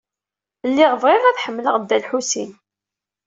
Lliɣ bɣiɣ ad ḥemmleɣ Dda Lḥusin.